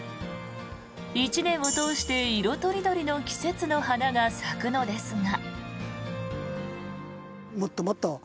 １年を通して色とりどりの季節の花が咲くのですが。